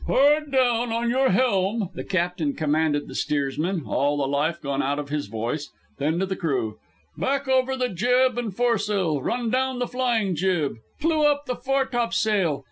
"Hard down with your helm!" the captain commanded the steers man, all the life gone out of his voice. Then to the crew, "Back over the jib and foresail! Run down the flying jib! Clew up the foretopsail!